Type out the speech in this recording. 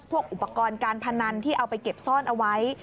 พวกอุปกรณ์การพนันที่เอาไปเก็บซ่อนเอาไว้